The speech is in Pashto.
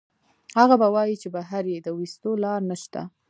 هغه به وائي چې بهر ئې د ويستو لار نشته